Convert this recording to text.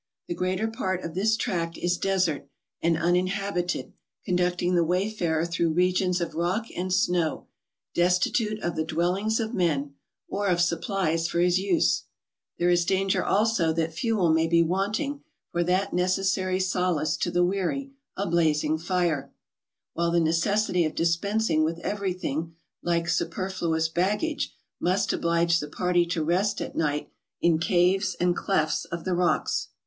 The greater part of this tract is desert and uninhabited, conducting the wayfarer through regions of rock and snow, destitute of the dwellings of man, or of supplies for GUNGOOTREE. 227 his use ; there is danger also that fuel may be want¬ ing for that necessary solace to the weary, a blazing fire; while the necessity of dispensing with every¬ thing like superfluous baggage must oblige the party to rest at night in caves and clefts of the rocks.